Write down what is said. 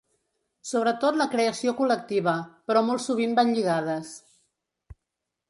Sobretot la creació col·lectiva, però molt sovint van lligades.